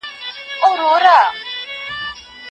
ایا مسلکي بڼوال چارمغز اخلي؟